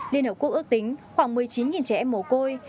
liên hợp quốc ước tính khoảng một mươi chín trẻ em mồ côi